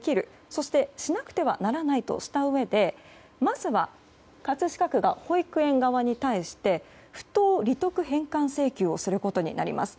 そして、しなくてはならないとしたうえでまず、葛飾区が保育園側に対して不当利得返還請求をすることになります。